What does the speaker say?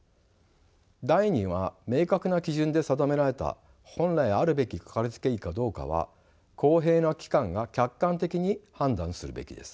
第２は明確な基準で定められた本来あるべきかかりつけ医かどうかは公平な機関が客観的に判断するべきです。